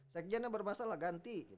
sekjen yang bermasalah ganti